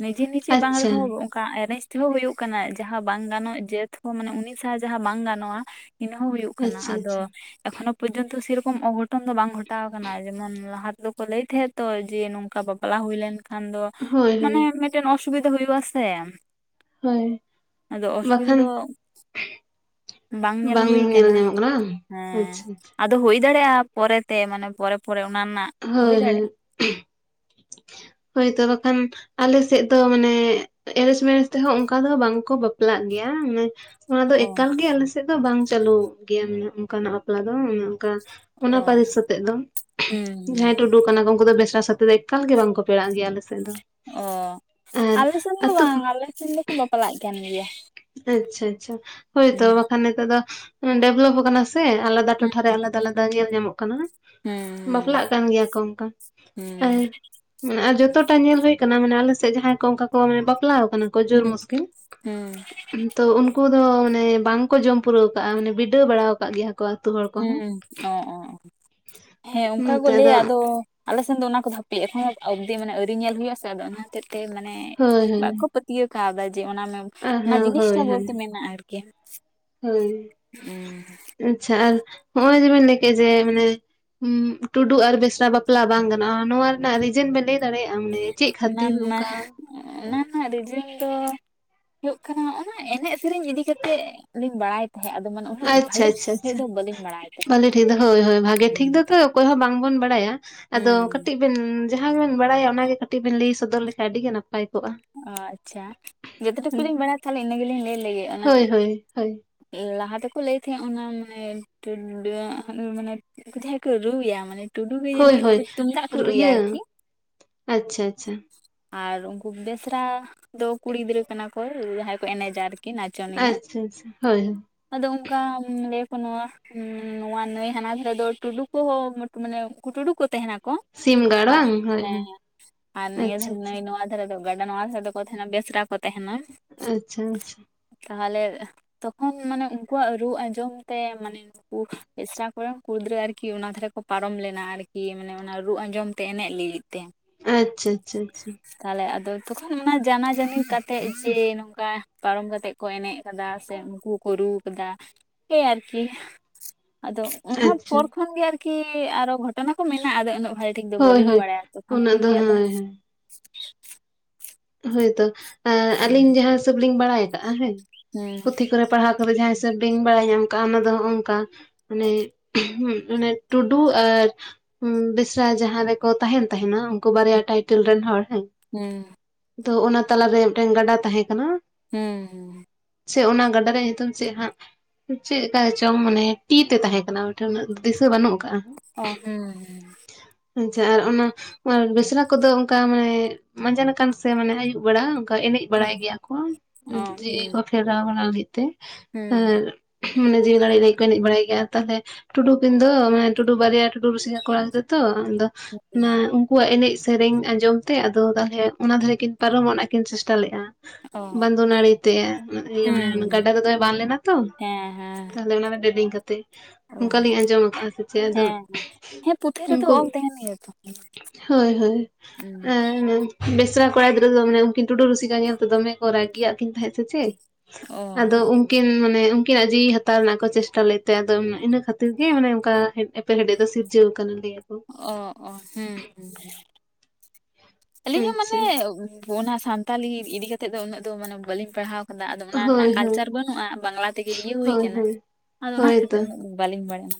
ᱱᱤᱡᱮ ᱱᱤᱡᱮ ᱵᱟᱝ ᱟᱪᱪᱷᱟ ᱨᱮᱦᱚᱸ ᱚᱱᱠᱟ ᱮᱨᱮᱡ ᱛᱮᱦᱚᱸ ᱦᱩᱭᱩᱜᱳᱜ ᱠᱟᱱᱟ ᱡᱟᱦᱟᱸ ᱵᱟᱝ ᱜᱟᱱᱚᱜ ᱡᱟᱹᱛ ᱦᱚᱸ ᱢᱟᱱᱮ ᱩᱱᱤ ᱥᱟᱶ ᱡᱟᱦᱟᱸ ᱵᱟᱝ ᱜᱟᱱᱚᱜᱼᱟ ᱤᱱᱟᱹ ᱦᱚᱸ ᱦᱩᱭᱩᱜ ᱠᱟᱱᱟ ᱟᱪᱪᱷᱟ ᱟᱫᱚ ᱟᱪᱪᱷᱟ ᱮᱠᱷᱚᱱᱚ ᱯᱚᱨᱡᱚᱱᱛᱚ ᱥᱮᱨᱚᱠᱚᱢ ᱚᱜᱷᱚᱴᱚᱱ ᱫᱚ ᱵᱟᱝ ᱜᱷᱚᱴᱟᱣ ᱟᱠᱟᱱᱟ ᱡᱮᱢᱚᱱ ᱞᱟ ᱦᱟ ᱛᱮᱫᱚᱠᱚ ᱞᱟᱹᱭ ᱛᱟᱦᱮᱸᱜ ᱛᱚ ᱡᱮ ᱱᱚᱝᱠᱟ ᱵᱟᱯᱞᱟ ᱦᱩᱭ ᱞᱮᱱᱠᱷᱟᱱ ᱫᱚ ᱦᱳᱭ ᱢᱟᱱᱮ ᱦᱳᱭ ᱢᱮᱫ ᱴᱮᱱ ᱚᱥᱩᱵᱤᱫᱷᱟ ᱦᱩᱭᱩᱜ ᱟᱥᱮ, ᱦᱳᱭ ᱟᱫᱚ ᱚᱥᱩᱵᱤᱫᱷᱟ ᱵᱟᱠᱷᱟᱱ ᱫᱚ, ᱵᱟᱝ ᱧᱮᱞ ᱦᱩᱭ ᱠᱟᱱᱟ ᱦᱮᱸ ᱟᱪᱪᱷᱟ ᱟᱪᱪᱷᱟ ᱟᱫᱚ ᱦᱩᱭ ᱫᱟᱲᱮᱭᱟᱜᱼᱟ ᱯᱚᱨᱮ ᱛᱮ ᱢᱟᱱᱮ ᱯᱚᱨᱮ ᱯᱚᱨᱮ ᱚᱱᱟ ᱨᱮᱱᱟᱜ ᱦᱩᱭ ᱫᱟᱲᱮᱭᱟᱜᱼᱟ ᱦᱳᱭ ᱦᱳᱭ ᱦᱳᱭ ᱛᱚ ᱵᱟᱠᱷᱟᱱ ᱟᱞᱮ ᱥᱮᱫ ᱫᱚ ᱢᱟᱱᱮ ᱮᱨᱮᱡ ᱢᱮᱨᱮᱡ ᱛᱮᱦᱚᱸ ᱚᱱᱠᱟ ᱫᱚ ᱵᱟᱝᱠᱚ ᱵᱟᱯᱞᱟᱜ ᱜᱮᱭᱟ, ᱢᱟᱱᱮ ᱚᱱᱟ ᱫᱚ ᱚ ᱮᱠᱟᱞᱜ ᱟᱞᱮ ᱥᱮᱫ ᱫᱚ ᱵᱟᱝ ᱪᱟᱹᱞᱩᱜ ᱜᱮᱭᱟ ᱚᱱᱮ ᱚᱱᱠᱟᱱᱟᱜ ᱵᱟᱯᱞᱟ ᱫᱚ ᱚᱱᱮ ᱚᱱᱠᱟ ᱚᱱᱟ ᱚ ᱯᱟᱹᱨᱤᱥ ᱥᱟᱛᱮᱜ ᱫᱚ ᱦᱩᱸ ᱡᱟᱦᱟᱸᱭ ᱦᱩᱸ ᱴᱩᱰᱩ ᱠᱟᱱᱟ ᱠᱚ ᱩᱱᱠᱩ ᱫᱚ ᱵᱮᱥᱨᱟ ᱥᱟᱛᱮᱜ ᱫᱚ ᱮᱠᱟᱞ ᱜᱮ ᱵᱟᱝᱠᱚ ᱯᱮᱟᱜ ᱜᱮᱭᱟ ᱟᱞᱮ ᱥᱮ ᱚ ᱟᱞᱮ ᱥᱮᱱ ᱫᱚ ᱟᱹᱛᱩ ᱵᱟᱝ ᱟᱞᱮ ᱥᱮᱱ ᱫᱚᱠᱚ ᱵᱟᱯᱞᱟᱜ ᱠᱟᱱ ᱜᱮᱭᱟ᱾ ᱟᱪᱪᱷᱟ ᱟᱪᱪᱷᱟ ᱦᱳᱭᱛᱚ ᱦᱩᱸ ᱵᱟᱠᱷᱟᱱ ᱱᱮᱛᱟᱨ ᱫᱚ ᱰᱮᱵᱷᱞᱚᱯ ᱠᱟᱱᱟ ᱥᱮ ᱟᱞᱟᱫᱟ ᱦᱩᱸ ᱴᱚᱴᱷᱟᱨᱮ ᱟᱞᱟᱫᱟ ᱟᱞᱟᱫᱟ ᱧᱮᱞ ᱧᱟᱢᱚᱜ ᱠᱟᱱᱟ ᱦᱩᱸ ᱵᱟᱯᱞᱟᱜ ᱠᱟᱱ ᱜᱮᱭᱟ ᱠᱚ ᱚᱱᱠᱟ, ᱦᱩᱸ ᱟᱨ ᱢᱟᱱᱮ ᱟᱨ ᱡᱚᱛᱚᱴᱟ ᱧᱮᱞ ᱦᱩᱭᱳ ᱟᱠᱟᱱᱟ ᱢᱟᱱᱮ ᱟᱞᱮᱥᱮᱫ ᱡᱟᱦᱟᱸᱭ ᱠᱚ ᱚᱱᱠᱟ ᱠᱚ ᱢᱟᱱᱮ ᱵᱟᱯᱞᱟ ᱟᱠᱟᱱᱟ ᱦᱩᱸᱜ ᱦᱩᱸ᱾ ᱛᱚ ᱩᱱᱠᱩ ᱫᱚ ᱢᱟᱱᱮ ᱵᱟᱝᱠᱚ ᱡᱚᱢ ᱯᱩᱨᱟᱹᱣ ᱠᱟᱜᱼᱟ ᱢᱟᱱᱮ ᱵᱤᱰᱟᱹᱣ ᱵᱟᱲᱟ ᱠᱟᱜ ᱜᱮᱭᱟ ᱟᱹᱛᱩ ᱦᱚᱲ, ᱠᱚᱦᱚᱸ ᱩᱸ ᱚ ᱚ ᱚ ᱦᱮᱸ ᱚᱱᱠᱟ ᱠᱚ ᱱᱚᱛᱮ ᱫᱚ ᱞᱟᱹᱭᱟ ᱟᱫᱚ ᱟᱞᱮ ᱥᱮᱱ ᱫᱚ ᱚᱱᱟ ᱠᱚᱫᱚ ᱦᱟᱯᱮ ᱮᱠᱷᱚᱱ ᱟᱵᱫᱤ ᱢᱟᱱᱮ ᱟᱹᱣᱨᱤ ᱧᱮᱞ ᱦᱩᱭᱩᱜ ᱟᱥᱮ ᱟᱫᱚ ᱚᱱᱟ ᱦᱚᱛᱮᱡ ᱛᱮ ᱢᱟᱱᱮ ᱦᱳᱭ ᱦᱳᱭ ᱵᱟᱠᱚ ᱯᱟᱹᱛᱭᱟᱹᱣ ᱠᱟᱣᱫᱟ ᱡᱮ ᱚᱱᱟ ᱟᱨ ᱚᱱᱟ ᱦᱮᱸ ᱡᱤᱱᱤᱥᱴᱟ ᱦᱳᱭ ᱦᱳᱭ ᱵᱚᱞᱛᱮ ᱢᱮᱱᱟᱜᱼᱟ ᱟᱨᱠᱤ, ᱦᱳᱭ ᱟᱪᱪᱷᱟ ᱟᱨ ᱦᱚᱸᱜᱼᱚᱭ ᱡᱮᱵᱮᱱ ᱞᱟᱹᱭ ᱠᱮᱜᱼᱟ ᱡᱮ ᱢᱟᱱᱮ ᱦᱩᱸ ᱴᱩᱰᱩ ᱟᱨ ᱵᱮᱥᱨᱟ ᱵᱟᱯᱞᱟ ᱵᱟᱝ ᱜᱟᱱᱚᱜᱼᱟ ᱱᱚᱣᱟ ᱨᱮᱱᱟᱜ ᱨᱤᱡᱮᱱ ᱵᱮ ᱞᱟᱹᱭ ᱫᱟᱲᱮᱭᱟᱜᱼᱟ ᱢᱟᱱᱮ ᱪᱮᱜ ᱚᱱᱟ ᱠᱷᱟᱹᱛᱤᱨ ᱨᱮᱱᱟᱜ ᱚᱱᱠᱟ? ᱚᱱᱟ ᱨᱮᱱᱟᱜ ᱨᱤᱡᱮᱱ ᱫᱚ ᱦᱩᱭᱩᱜ ᱠᱟᱱᱟ ᱚᱱᱟ ᱮᱱᱮᱡ ᱥᱮᱨᱮᱧ ᱤᱫᱤ ᱠᱟᱛᱮᱜ ᱞᱤᱧ ᱵᱟᱲᱟᱭ [unintelligible] ᱟᱫᱚ ᱢᱟᱱᱮ ᱩᱱᱟᱹᱜ ᱟᱪᱪᱷᱟ ᱵᱷᱟᱞᱤ ᱟᱪᱪᱷᱟ ᱥᱮᱫ ᱟᱪᱪᱷᱟ ᱫᱚ ᱵᱟᱹᱞᱤᱧ ᱵᱟᱲᱟᱭ ᱛᱟᱦᱮᱸᱫ ᱵᱷᱟᱹᱞᱤ ᱴᱷᱤᱠ ᱦᱳᱭ ᱦᱳᱭ ᱵᱷᱟᱜᱮ ᱴᱷᱤᱠ ᱫᱚᱛᱚ ᱚᱠᱚᱭ ᱦᱚᱸ ᱵᱟᱝᱵᱚᱱ ᱵᱟᱲᱟᱭᱟ᱾ ᱟᱫᱚ ᱦᱩᱸ ᱠᱟᱹᱴᱤᱡ ᱵᱮᱱ ᱡᱟᱦᱟᱸ ᱜᱮᱵᱮᱱ ᱵᱟᱲᱟᱭᱟ ᱚᱱᱟᱜᱮ ᱠᱟᱹᱴᱤᱡ ᱵᱮᱱ ᱞᱟᱹᱭ ᱥᱚᱫᱚᱨ ᱞᱮᱠᱷᱟᱱ ᱟᱹᱰᱤ ᱜᱮ ᱱᱟᱯᱟᱭ ᱠᱚᱜᱼᱟ᱾ ᱚ ᱟᱪᱪᱷᱟ ᱡᱚᱛᱚ ᱴᱩᱠᱩ ᱦᱳᱭ ᱞᱤᱧ ᱵᱟᱲᱟᱭᱟ ᱛᱟᱦᱚᱞᱮ ᱤᱱᱟᱹ ᱜᱮᱞᱤᱧ ᱞᱟᱹᱭ ᱞᱮᱜᱮ ᱚᱱᱟ ᱦᱳᱭ ᱦᱳᱭ ᱞᱟᱦᱟ ᱛᱮᱠᱚ ᱞᱟᱹᱭ ᱛᱟᱦᱮᱸᱫ ᱚᱱᱟ ᱢᱟᱱᱮ [unintelligible] ᱢᱟᱱᱮ ᱩᱱᱠᱩ ᱡᱟᱸᱦᱟᱭ ᱠᱚ ᱨᱩᱭᱟ ᱢᱟᱱᱮ ᱴᱩᱰᱩ ᱜᱮ ᱦᱳᱭ ᱡᱟᱹᱱᱤᱡ ᱦᱳᱭ ᱩᱱᱠᱩ ᱛᱩᱢᱫᱟᱜ ᱠᱚ ᱨᱩᱭᱟ ᱤᱭᱟᱹ ᱟᱨᱠᱤ ᱟᱪᱪᱷᱟ ᱟᱪᱪᱷᱟ [inaudible] ᱟᱨ ᱩᱱᱠᱩ ᱵᱮᱥᱨᱟ ᱫᱚ ᱠᱩᱲᱤ ᱜᱤᱫᱽᱨᱟᱹ ᱠᱟᱱᱟ ᱠᱚ ᱡᱟᱦᱟᱸᱭ ᱠᱚ ᱮᱱᱮᱡᱟ ᱟᱨᱠᱤ ᱱᱟᱪᱚᱱᱤᱭᱟᱹ᱾ ᱟᱪᱪᱷᱟ ᱦᱳᱭ ᱦᱳ [unintelligible] ᱟᱫᱚ ᱚᱱᱠᱟ ᱞᱟᱹᱭ ᱟᱠᱚ ᱱᱚᱣᱟ ᱚᱸ ᱱᱚᱣᱟ ᱱᱟᱹᱭ ᱦᱟᱱᱟ ᱫᱷᱟᱨᱮ ᱫᱚ ᱴᱩᱰᱩ ᱠᱚᱦᱚᱸ ᱢᱟᱱᱮ ᱩᱱᱠᱩ ᱴᱩᱰᱩ ᱠᱚ ᱛᱟᱦᱮᱱᱟᱠ ᱠᱚ ᱥᱤᱢ ᱜᱟᱲ ᱟᱨ ᱵᱟᱝ ᱦᱳᱭ ᱦᱳᱭ ᱦᱮᱸ ᱟᱨ ᱱᱤᱭᱟᱹ ᱟᱪᱪᱷᱟ ᱫᱷᱟᱨᱮ ᱟᱪᱪᱷᱟ ᱱᱟᱹᱭ ᱱᱚᱣᱟ ᱨᱮᱫᱚ ᱜᱟᱰᱟ ᱱᱚᱣᱟ ᱫᱷᱟᱨᱮ ᱫᱚ ᱠᱚ ᱛᱟᱦᱮᱱᱟ ᱵᱮᱥᱨᱟ ᱠᱚ ᱛᱟᱦᱮᱱᱟ ᱟᱪᱪᱷᱟ ᱟᱪᱪᱷᱟ ᱛᱟᱦᱚᱞᱮ ᱛᱚᱠᱷᱚᱱ ᱢᱟᱱᱮ ᱩᱱᱠᱩᱣᱟᱜ ᱨᱩ ᱟᱸᱡᱚᱢ ᱛᱮ ᱢᱟᱱᱮ ᱱᱩᱠᱩ ᱯᱮᱥᱨᱟ ᱠᱚᱨᱮᱱ ᱠᱩᱲᱤ ᱜᱤᱫᱽᱨᱟᱹ ᱟᱨᱠᱤ ᱚᱱᱟ ᱫᱷᱟᱨᱮ ᱠᱚ ᱯᱟᱨᱚᱢ ᱞᱮᱱᱟ ᱟᱨᱠᱤ ᱢᱟᱱᱮ ᱚᱱᱟ ᱨᱩ ᱟᱸᱡᱚᱢ ᱛᱮ ᱮᱱᱮᱡ ᱞᱟᱹᱜᱤᱫ ᱛᱮ ᱟᱪᱪᱷᱟ ᱟᱪᱪᱷᱟ ᱟᱪᱪᱷᱟ ᱛᱟᱦᱚᱞᱮ ᱟᱫᱚ ᱛᱚᱠᱷᱚᱱ ᱚᱱᱟ ᱡᱟᱱᱟ ᱡᱟᱹᱱᱤ ᱠᱟᱛᱮᱜ ᱡᱮ ᱱᱚᱝᱠᱟ ᱯᱟᱨᱚᱢ ᱠᱟᱛᱮᱜ ᱠᱚ ᱮᱱᱮᱡ ᱟᱠᱟᱫᱟ᱾ ᱥᱮ ᱩᱱᱠᱩ ᱠᱚᱠᱚ ᱨᱩ ᱠᱮᱫᱫᱟ ᱥᱮ [unintelligible] ᱟᱨᱠᱤ ᱟᱫᱚ ᱚᱱᱟ ᱟᱪᱪᱷᱟ ᱯᱚᱨ ᱠᱷᱚᱱ ᱜᱮ ᱟᱨᱠᱤ [unintelligible] ᱠᱤ ᱟᱨᱚ ᱜᱷᱚᱴᱚᱱᱟ ᱠᱚ ᱢᱮᱱᱟᱜᱼᱟ ᱟᱫᱚ ᱩᱱᱟᱹᱜ ᱵᱷᱟᱜᱮ ᱴᱷᱤᱠ ᱫᱚ ᱦᱳᱭ ᱵᱟᱹᱞᱤᱧ ᱦᱳᱭ ᱵᱟᱲᱟᱭᱟ ᱛᱚᱠᱷᱚᱱ ᱩᱱᱟᱹᱜ ᱫᱚ ᱠᱷᱚᱱᱜᱮ ᱟᱫᱚ [unintelligible] ᱦᱳᱭ ᱦᱳᱭ ᱦᱳᱭᱛᱚ ᱦᱮᱸ ᱟᱹᱞᱤᱧ ᱡᱟᱦᱟᱸ ᱦᱤᱥᱟᱹᱵᱽ ᱞᱤᱧ ᱵᱟᱲᱟᱭ ᱟᱠᱟᱜᱼᱟ ᱦᱮᱸ ᱦᱩᱸ ᱯᱩᱛᱷᱤ ᱠᱚ ᱯᱟᱲᱦᱟᱣ ᱫᱚ ᱡᱟᱦᱟᱸ ᱦᱤᱥᱟᱹᱵᱽ ᱵᱟᱹᱧ ᱵᱟᱲᱟᱭ ᱧᱟᱢ ᱠᱟᱜᱼᱟ ᱚᱱᱟ ᱫᱚ ᱦᱚᱸᱜᱼᱚᱝᱠᱟ [unintelligible] ᱢᱟᱱᱮ ᱢᱟᱱᱮ ᱴᱩᱰᱩ ᱟᱨ ᱩ ᱵᱮᱥᱨᱟ ᱡᱟᱦᱟᱸ ᱨᱮᱠᱚ ᱛᱟᱦᱮᱱ ᱛᱟᱦᱮᱱᱟ ᱩᱱᱠᱩ ᱵᱟᱨᱭᱟ ᱴᱟᱭᱴᱮᱞ ᱨᱮᱱ ᱦᱚᱲ ᱦᱮᱸ᱾ ᱦᱮᱸ ᱛᱚ ᱚᱱᱟ ᱛᱟᱞᱟᱨᱮ ᱢᱤᱫᱴᱮᱱ ᱜᱟᱰᱟ ᱛᱟᱦᱮᱸ ᱠᱟᱱᱟ᱾ ᱦᱮᱸ ᱥᱮ ᱚᱱᱟ ᱜᱟᱰᱟ ᱨᱮᱭᱟᱜ ᱧᱩᱛᱩᱢ ᱪᱮᱫ ᱦᱟᱸᱜ? ᱪᱮᱫᱠᱟ ᱪᱚᱝ ᱢᱟᱱᱮ ᱛᱤ ᱛᱮ ᱛᱟᱦᱮᱸ ᱠᱟᱱᱟ ᱩᱱᱤ ᱴᱷᱮᱱ ᱩᱱᱟ ᱫᱤᱥᱟᱹ ᱵᱟᱹᱱᱩᱜ ᱟᱠᱟᱜᱼᱟ᱾ ᱚ ᱦᱩᱸ ᱟᱪᱪᱷᱟ ᱟᱨ ᱚᱱᱟ ᱵᱮᱥᱨᱟ ᱠᱚᱫᱚ ᱚᱱᱠᱟ ᱢᱟᱱᱮ ᱢᱟᱸᱡᱟᱱᱠᱟᱱ [inaudible] ᱥᱮ ᱢᱟᱱᱮ ᱟᱹᱭᱩᱵ ᱵᱮᱲᱟ ᱚᱱᱠᱟ ᱮᱱᱮᱡ ᱵᱟᱲᱟᱭ ᱦᱩᱸ ᱜᱮᱭᱟ ᱠᱚ ᱚ ᱡᱤᱣᱤ ᱠᱚ ᱦᱩᱸ ᱯᱷᱮᱨᱟᱣ ᱵᱟᱲᱟ ᱞᱟᱹᱜᱤᱫ ᱛᱮ᱾ ᱟᱨ ᱢᱟᱱᱮ ᱡᱤᱣᱤ ᱫᱟᱲᱮ [unintelligible] ᱞᱟᱹᱭ ᱠᱚ ᱮᱱᱮᱡ ᱵᱟᱲᱟᱭ ᱜᱮᱭᱟ ᱛᱟᱦᱞᱮ, ᱴᱩᱰᱩ ᱠᱤᱱᱫᱚ [unintelligible] ᱢᱟᱱᱮ ᱴᱩᱰᱩ ᱵᱟᱨᱭᱟ ᱴᱩᱰᱩ ᱨᱥᱤᱠᱟ ᱠᱚᱲᱟ [unintelligible] ᱛᱚᱫᱚ ᱦᱩᱸ ᱚᱱᱟ ᱩᱱᱠᱩᱣᱟᱜ ᱮᱱᱮᱡ ᱥᱮᱨᱮᱧ ᱟᱸᱡᱚᱢ ᱛᱮ ᱟᱫᱚ ᱛᱟᱞᱦᱮ ᱚᱱᱟ ᱫᱮ [unintelligible] ᱠᱤᱱ ᱯᱟᱨᱚᱢᱚᱜᱼᱟ ᱠᱤᱱ ᱪᱮᱥᱴᱟ ᱞᱮᱫᱼᱟ᱾ ᱚ ᱵᱟᱱᱫᱩ ᱱᱟᱹᱲᱤ ᱛᱮ ᱤᱭᱟᱹ ᱦᱩᱸ ᱢᱟᱱᱮ ᱦᱩᱸ ᱜᱟᱰᱟ ᱨᱚᱫᱚᱭ ᱵᱟᱱ ᱞᱮᱱᱟ ᱛᱚ᱾ ᱦᱮᱸ ᱦᱮᱸ ᱛᱟᱦᱞᱮ ᱚᱱᱟᱨᱮ ᱰᱮᱰᱤᱝ ᱠᱟᱛᱮᱜ᱾ ᱚ ᱚᱱᱠᱟᱞᱤᱧ ᱟᱸᱡᱚᱢ ᱟᱠᱟᱜᱼᱟ ᱥᱮ ᱪᱮᱫ ᱟᱫᱚ ᱦᱮᱸ ᱦᱮᱸ ᱯᱩᱛᱷᱤ ᱨᱮᱫᱚ ᱩᱱᱠᱩ ᱚᱞ ᱛᱟᱦᱮᱱ ᱜᱮᱭᱟ ᱛᱚ ᱦᱳᱭ ᱦᱳᱭ ᱟᱨ ᱵᱮᱥᱨᱟ ᱠᱚᱲᱟ ᱜᱤᱫᱽᱨᱟᱹ ᱫᱚ ᱢᱟᱱ ᱩᱱᱠᱤᱱ ᱴᱩᱰᱩ ᱨᱩᱥᱤᱠᱟ ᱧᱮᱞᱛᱮ ᱫᱚᱢᱮ ᱠᱚ ᱨᱟᱹᱜᱤᱭᱟᱜ ᱠᱤᱱ ᱛᱟᱦᱮᱸᱫ ᱥᱮ ᱪᱮᱫ ᱚ ᱟᱫᱚ ᱩᱱ ᱩᱱᱠᱤᱱ ᱢᱟᱱᱮ ᱩᱱᱠᱤᱱᱟᱜ ᱡᱤᱣᱤ ᱦᱟᱛᱟᱣ ᱨᱮᱱᱟᱜ ᱠᱚ ᱪᱮᱥᱴᱟ ᱞᱮᱫ ᱛᱮ ᱟᱫᱚ ᱤᱱᱟ ᱠᱷᱟᱹᱛᱤᱨ ᱜᱮ ᱢᱟᱱᱮ ᱚᱱᱠᱟ ᱮᱯᱮᱨᱦᱮᱰᱮ ᱫᱚ ᱥᱤᱨᱡᱟᱹᱣ ᱟᱠᱟᱱ ᱞᱟᱹᱭᱟᱠᱚ ᱚ ᱚ ᱦᱮᱸ ᱦᱮᱸ ᱟᱹᱞᱤᱧ ᱦᱚᱸ ᱢᱟᱱᱮ ᱟᱪᱪᱷᱟ ᱚᱱᱟ ᱥᱟᱱᱛᱟᱞᱤ ᱤᱫᱤ ᱠᱟᱛᱮᱜ ᱫᱚ ᱩᱱᱟᱹᱜ ᱫᱚ ᱢᱟᱱᱮ ᱵᱟᱹᱞᱤᱧ ᱯᱟᱲᱦᱟᱣ ᱠᱟᱫᱟ᱾ ᱟᱫᱚ ᱚᱱᱟ ᱨᱮᱱᱟᱜ ᱦᱳᱭ ᱦᱳᱭ ᱠᱟᱞᱪᱟᱨ ᱵᱟᱹᱱᱩᱜᱼᱟ ᱵᱟᱝᱞᱟ ᱛᱮᱜᱮ ᱤᱭᱟᱹ ᱦᱩᱭ ᱦᱳᱭ ᱟᱠᱟᱱᱟ᱾ ᱦᱳᱭ ᱟᱫᱚ ᱚᱱᱟ ᱦᱚᱛᱟᱹᱤᱨ ᱛᱮ ᱦᱳᱭᱛᱚ ᱩᱱᱟᱹᱜ ᱵᱟᱹᱞᱤᱧ ᱵᱟᱲᱟᱭᱟ,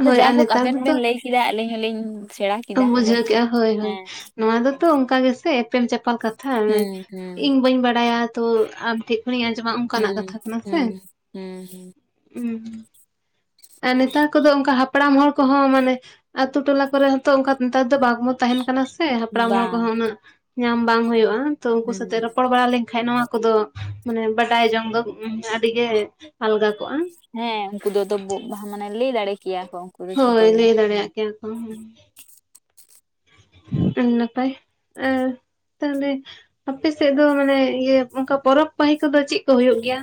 ᱟᱫᱚ ᱦᱳᱭ ᱟᱨ ᱡᱟᱭᱦᱳᱠ ᱱᱮᱛᱟᱨ ᱟᱵᱮᱱ ᱫᱚᱛᱚ ᱵᱮᱱ ᱞᱟᱹᱭ ᱠᱮᱫᱟ ᱟᱹᱞᱤᱧ ᱦᱚᱞᱤᱧ ᱥᱮᱬᱟ ᱠᱮᱫᱟ [unintelligible] ᱟᱸᱡᱚᱢ ᱵᱩᱡᱷᱟᱹᱣ ᱠᱮᱫᱟ ᱠᱮᱜᱼᱟ ᱦᱳᱭ ᱦᱳᱭ ᱦᱮᱸ ᱱᱚᱣᱟ ᱫᱚᱛᱚ ᱚᱱᱠᱟ ᱜᱮᱥᱮ ᱮᱯᱮᱢ ᱪᱟᱯᱟᱞ ᱠᱟᱛᱷᱟ, ᱦᱩᱸ ᱦᱩᱸ ᱤᱧ ᱵᱟᱹᱧ ᱵᱟᱲᱟᱭᱟ ᱛᱚ ᱟᱢ ᱴᱷᱮᱱ ᱤᱧ ᱟᱸᱡᱚᱢᱟ, ᱚᱱᱠᱟᱱᱟᱜ ᱦᱩᱸ ᱠᱟᱛᱷᱟ ᱠᱟᱱᱟ ᱥᱮ ᱦᱩᱸ ᱦᱩᱸ ᱦᱩᱸ ᱟᱨ ᱱᱮᱛᱟᱨ ᱠᱚᱫᱚ ᱚᱱᱠᱟ ᱦᱟ ᱯᱲᱟᱢ ᱦᱚᱲ ᱠᱚᱦᱚᱸ ᱢᱟᱱᱮ, ᱟᱹᱛᱳᱩ ᱴᱚᱞᱟ ᱠᱚᱨᱮ ᱦᱚᱸᱛᱚ ᱚᱱᱠᱟ ᱱᱮᱛᱟᱨ ᱫᱚ ᱵᱟᱝᱵ ᱛᱟᱦᱮᱱ ᱠᱟᱱᱟ ᱥ ᱦᱮ ᱦᱟᱯᱲᱟᱢ ᱦᱚᱲ ᱵᱟᱝ ᱠᱚᱦᱚᱸ ᱩᱱᱟᱹᱜ ᱧᱟᱢ ᱵᱟᱝ ᱦᱩᱭᱩᱜᱼᱟ, ᱛᱚ ᱩᱱᱠᱩ ᱦᱩᱸ ᱥᱟᱛᱮᱜ ᱨᱚᱯᱚᱲ ᱵᱟᱲᱟ ᱞᱮᱱᱠᱷᱟᱱ ᱱᱚᱣᱟ ᱠᱚᱫᱚ ᱢᱟᱱᱮ ᱵᱟᱰᱟᱭ ᱡᱚᱝ ᱫᱚ, ᱟᱹᱰᱤ ᱜᱮ ᱟᱞᱜᱟ ᱠᱚᱜᱼᱟ᱾ ᱦᱮᱸ ᱩᱱᱠᱩ ᱫᱚ ᱛᱚᱵᱩ ᱢᱟᱱᱮ ᱞᱟᱹᱭ ᱫᱟᱲᱮ ᱠᱮᱭᱟ ᱠᱚ᱾ ᱫᱚ ᱡᱷᱚᱛᱚ ᱦᱳᱭ ᱜᱮ ᱞᱟᱹᱭ ᱦᱩᱸ ᱫᱟᱲᱮᱭᱟᱼᱜ ᱠᱮᱭᱟ ᱠᱚ᱾ ᱱᱟᱯᱟᱭ ᱟᱸᱻ ᱛᱟᱦᱚᱞᱮ ᱟᱯᱮᱥᱮᱫ ᱫᱚ ᱢᱟᱱᱮ, ᱤᱭᱟᱹ ᱚᱱᱠᱟ ᱯᱚᱨᱚᱵᱽ ᱯᱟᱹᱦᱤ ᱠᱚᱫᱚ ᱪᱮᱫ ᱠᱚ ᱦᱩᱭᱩᱜ ᱜᱮᱭᱟ?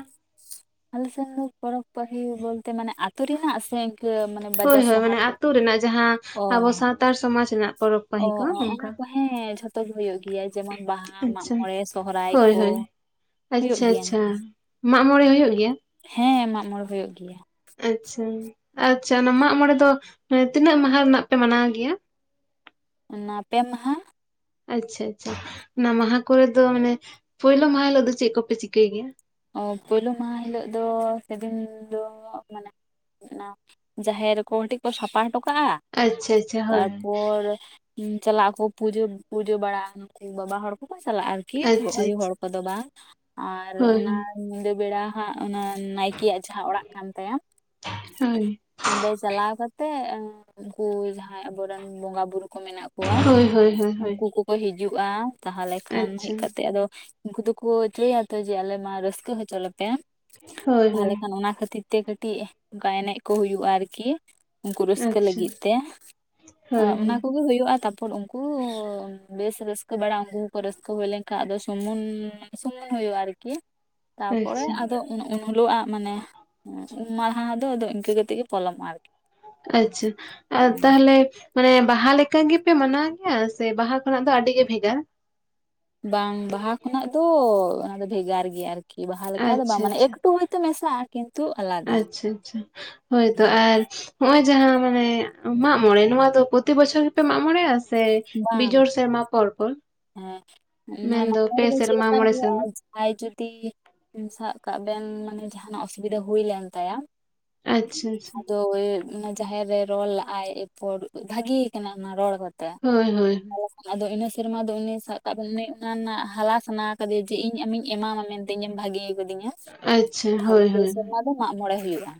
ᱟᱞᱮ ᱥ ᱯᱚᱨᱚᱵᱽ ᱯᱟᱹᱦᱤ ᱵᱚᱞᱛᱮ ᱢᱟᱱᱮ ᱟᱹᱛᱩ ᱨᱮᱱᱟᱜ ᱥᱮ ᱤᱱᱠᱟᱹ ᱢᱟᱱᱮ ᱦᱳᱭ ᱵᱟᱡᱟᱨ ᱦᱳᱭ ᱥᱟᱦᱟᱨ ᱢᱟᱱᱮ ᱟᱹᱛᱩ ᱨᱮᱱᱟᱜ ᱡᱟᱦᱟᱸ, ᱚ ᱟᱵᱚ ᱥᱟᱱᱛᱟᱲ ᱥᱚᱢᱟᱡᱽ ᱨᱮᱱᱟᱜ ᱯᱚᱨᱚᱵᱽ ᱚ ᱯᱟᱹᱦᱤ ᱠᱚ ᱚ ᱚᱱᱟ ᱚᱱᱠᱟ ᱠᱚ ᱦᱮᱸ ᱡᱷᱚᱛᱚ ᱜᱮ ᱦᱩᱭᱩᱜ ᱜᱮᱭᱟ ᱡᱮᱢᱚᱱ ᱵᱟᱦᱟ ᱢᱟᱜ ᱟᱪᱪᱷᱟ ᱢᱚᱬᱮ, ᱥᱚᱦᱦᱟᱭ ᱦᱳᱭ ᱠᱚ ᱦᱳᱭ ᱦᱩᱭᱩᱜ ᱟᱪᱪᱷᱟ ᱟᱪᱪᱷᱟ ᱜᱮᱭᱟᱠᱷ ᱢᱟᱜ ᱢᱚᱬᱮ ᱦᱩᱭᱩᱜ ᱜᱮᱭᱟ? ᱦᱮᱸ ᱢᱟᱜ ᱢᱚᱬ ᱦᱩᱭᱩᱜ ᱜᱮᱭᱟ᱾ ᱟᱪᱪᱷᱟ - ᱟᱪᱪᱷᱟ ᱚᱱᱟ ᱢᱟᱜ ᱢᱚᱬᱮ ᱫᱚ, ᱟᱱᱮ ᱛᱤᱱᱟᱹᱜ ᱢᱟᱦᱟ ᱨᱮᱱᱟᱜ ᱯᱮ ᱢᱟᱱᱟᱣ ᱜᱮᱭᱟ? ᱚᱱᱟ ᱯᱮ ᱢᱟᱦᱟ᱾ ᱟᱪᱪᱷᱟ ᱟᱪᱪᱷᱟ ᱚᱱᱟ ᱢᱟᱦᱟ ᱠᱚᱨᱮ ᱫᱚ ᱢᱟᱱᱮ, ᱯᱳᱭᱞᱳ ᱢᱟᱦᱟ ᱦᱤᱞᱳᱜ ᱫᱚ ᱪᱮᱫ ᱠᱚᱯᱮ ᱪᱤᱠᱟᱹᱭ ᱜᱮᱭᱟ? ᱚ ᱯᱩᱭᱞ ᱢᱟᱦᱟ ᱦᱤᱞᱳᱜ ᱫᱚ ᱥᱮᱫᱤᱱ ᱫᱚ ᱢᱟᱱᱮ ᱡᱟᱦᱮᱨ ᱠᱚ ᱴᱤᱜ ᱠᱚ ᱥᱟᱯᱷᱟ ᱦᱚᱴᱚ ᱠᱟᱜᱼᱟ᱾ ᱟᱪᱪᱷᱟ ᱟᱪᱪᱷᱟ ᱦᱳᱭ ᱦᱳᱭ ᱛᱟᱨᱯᱚᱨ ᱪᱟᱞᱟᱜ ᱟᱠᱚ ᱯᱩᱡᱟᱹ ᱯᱩᱡᱟᱹ ᱵᱟᱲᱟ ᱵᱟᱵᱟ ᱦᱚᱲ ᱠᱚ-ᱠᱚ ᱪᱟᱞᱟᱜᱼᱟ᱾ ᱟᱨᱠᱤ ᱟᱪᱪᱷᱟ ᱟᱭᱚ ᱟᱪᱪᱷᱟ ᱦᱚᱲ ᱠᱚᱫᱚ ᱵᱟᱝ ᱟᱨ ᱦᱳᱭ ᱚᱱᱟ ᱧᱤᱫᱟᱹ ᱵᱮᱲᱟ ᱦᱟᱸᱜ ᱚᱱᱟ ᱱᱟᱭᱠᱮᱭᱟᱼᱜ ᱡᱟᱦᱟᱸ ᱚᱲᱟᱜ ᱠᱟᱱ ᱛᱟᱭᱟ ᱦᱳᱭ ᱦᱟᱸᱰᱮ ᱪᱟᱞᱟᱣ ᱠᱟᱛᱮᱜ ᱩᱱᱠᱩ ᱡᱟᱦᱟᱸᱭ ᱟᱵᱚᱨᱮᱱ ᱵᱚᱸᱜᱟ ᱵᱩᱨᱩ ᱠᱚ ᱢᱮᱱᱟᱜ ᱠᱚ ᱦᱳᱭ-ᱦᱳᱭ-ᱦᱳᱭ ᱦᱳᱭ ᱾ ᱠᱚ ᱦᱤᱡᱩᱜᱼᱟ, ᱛᱟᱦᱞᱮ ᱠᱷᱟᱱ ᱦᱮᱡ ᱠᱟᱛᱮ ᱟᱫᱚ, ᱩᱱᱠᱩ ᱫᱚᱠᱚ ᱪᱟᱹᱭᱭᱟ ᱛᱚ ᱡᱮ ᱟᱞᱮ ᱢᱟ ᱨᱟᱹᱥᱠᱟᱹ ᱦᱚᱪᱚ ᱞᱮᱯᱮ, ᱦᱳᱭ ᱛᱟᱦᱚᱞᱮ ᱦᱳᱭ ᱠᱷᱟᱱ ᱚᱱᱟ ᱠᱷᱟᱹᱛᱤᱨ ᱛᱮ ᱠᱟᱹᱴᱤᱡ ᱚᱱᱠᱟ ᱮᱱᱮᱡ ᱠᱚ ᱦᱩᱭᱩᱜᱼᱟ᱾ ᱟᱨᱠᱤ ᱩᱱᱠᱩ ᱨᱟᱹᱥᱠᱟᱹ ᱟᱪᱪᱷᱟ ᱞᱟᱹᱜᱤᱫ ᱛᱮ, ᱦᱳᱭ ᱚᱱᱟ ᱦᱳᱭ ᱠᱚᱜᱮ ᱦᱩᱭᱩᱜᱼᱟ ᱛᱟᱨᱯᱚᱨ ᱩᱱ [inaudible] ᱵᱮᱥ ᱨᱟᱹᱥᱠᱟᱹ ᱵᱟᱲᱟ ᱩᱝᱠᱩ ᱦᱚᱸᱠᱚ ᱨᱟᱹᱥᱠᱟᱹ ᱦᱩᱭ ᱞᱮᱱᱠᱷᱟᱱ ᱟᱫᱚ ᱥᱩᱢᱩᱱ ᱥᱩᱢᱩᱱ ᱦᱩᱭᱩᱜᱼᱟ ᱟᱨᱠᱤ ᱛᱟᱨᱯᱚᱨᱮ ᱟᱪᱪᱷᱟ ᱟᱫᱚ ᱩᱱ ᱦᱩᱞᱳᱜ-ᱟᱜ ᱢᱟᱱᱮ, ᱩᱢ ᱢᱟᱦᱟ ᱫᱚ ᱫᱚ ᱤᱱᱠᱟᱹ ᱠᱟᱛᱮ ᱜᱮ ᱯᱚᱞᱚᱢᱚᱜᱼᱟ᱾ ᱟᱨᱠᱤ ᱟᱪᱪᱷᱟ ᱟᱨ ᱛᱟᱦᱞᱮ ᱢᱟᱱᱮ ᱵᱟᱦᱟ ᱞᱮᱠᱟ ᱜᱮᱯᱮ ᱢᱟᱱᱟᱣᱮᱭ-ᱟ, ᱥᱮ ᱵᱟᱦᱟ ᱠᱷᱚᱱᱟᱜ ᱫᱚ ᱟᱹᱰᱤ ᱜᱮ ᱵᱷᱮᱜᱟᱨ? ᱵᱟᱝ ᱵᱟᱦᱟ ᱠᱷᱚᱱᱟᱜ ᱫᱚ ᱚᱱᱟ ᱫᱚ ᱵᱷᱮᱜᱟᱨ ᱜᱮᱭᱟ ᱟᱨ ᱠᱤ ᱵᱟᱦᱟ ᱞᱮᱠᱟ ᱫᱚ ᱵᱟᱝ, ᱟᱪᱪᱷᱟ ᱢᱟᱱᱮ ᱟᱪᱪᱷᱟ ᱮᱠᱴᱩ ᱦᱚᱭᱛᱳ ᱢᱮᱥᱟᱜᱼᱟ, ᱠᱤᱱᱛᱩ ᱟᱞᱟᱫᱟ᱾ ᱟᱪᱪᱷᱟ ᱱᱚᱜ-ᱚᱭ ᱡᱟᱸᱦᱟ ᱢᱟᱱᱮ ᱢᱟᱜ ᱢᱚᱬᱮ ᱱᱚᱣᱟ ᱫᱚ ᱯᱚᱛᱤ ᱵᱚᱪᱷᱚᱨ ᱜᱮᱯᱮ ᱢᱟᱜ ᱢᱚᱬᱮ ᱟ ᱥᱮ ᱵᱟᱝ ᱵᱤᱡᱳᱲ ᱥᱮᱨᱢᱟ ᱯᱚᱨ-ᱯᱚᱨ ᱦᱮᱸ ᱢᱮᱱᱫᱚ ᱯᱮ ᱥᱮᱨᱢᱟ ᱢᱚᱬᱮ ᱥᱮᱨᱢᱟ᱾ ᱟᱭ ᱡᱩᱫᱤ ᱥᱟᱵ ᱠᱟᱜ ᱵᱮᱱ ᱢᱟᱱᱮ ᱡᱟᱦᱟᱱᱟᱼᱜ ᱚᱥᱩᱵᱤᱫᱷᱟ ᱦᱩᱭ ᱞᱮᱱ ᱛᱟᱭᱟ ᱟᱪᱪᱷᱟ ᱟᱪᱪᱷᱟ ᱟᱫᱚ [unintelligible] ᱡᱟᱦᱮᱨ ᱨᱮᱭ ᱨᱚᱲ ᱞᱟᱜ-ᱟᱭ ᱮᱨᱯᱚᱨ ᱵᱷᱟᱜᱤ ᱠᱟᱱᱟ ᱚᱱᱟ ᱨᱚᱲ ᱠᱚ ᱛᱮ ᱦᱳᱭ - ᱦᱳᱭ [inaudible] ᱟᱫᱚ ᱤᱱᱟᱹ ᱥᱮᱨᱢᱟ ᱫᱚ ᱩᱱᱤ ᱥᱟᱵ ᱠᱟᱜ ᱵᱮᱱ ᱩᱱᱤ ᱚᱱᱟ ᱨᱮᱱᱟᱜ ᱦᱟᱞᱟ ᱥᱟᱱᱟ ᱠᱟᱫᱮᱭᱟ ᱪᱮᱫ ᱤᱧ ᱮᱢᱤᱧ ᱮᱢᱟᱢᱟ ᱢᱮᱱ ᱤᱧᱮᱢ ᱵᱷᱟᱜᱤ ᱟᱠᱟᱫᱤᱧᱟ, ᱟᱪᱪᱷᱟ ᱦᱳᱭ ᱛᱟᱦᱚᱞᱮ ᱩᱱ ᱦᱳᱭ ᱥᱮᱨᱢᱟ ᱫᱚ ᱢᱟᱜ ᱢᱚᱬᱮ ᱦᱩᱭᱩᱜᱼᱟ᱾